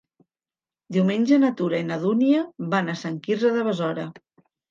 Diumenge na Tura i na Dúnia van a Sant Quirze de Besora.